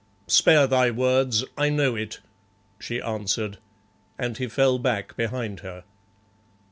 "Spare thy words, I know it," she answered, and he fell back behind her.